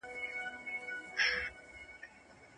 موږ باید د اسلام لارښوونې په خپل ژوند کې عملي کړو.